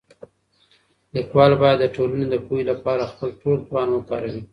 ليکوال بايد د ټولني د پوهي لپاره خپل ټول توان وکاروي.